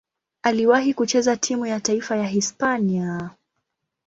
Aliwahi kucheza timu ya taifa ya Hispania.